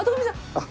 あっ。